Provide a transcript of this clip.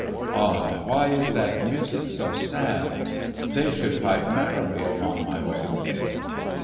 Ah, why is that music so sad? They should pipe merrily upon my wedding day!"